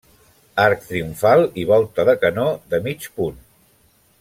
Arc triomfal i volta de canó de mig punt.